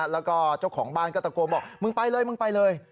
แล้วก็เจ้าของบ้านก็ตะโกนบอกมึงไปเลยมึงไปเลย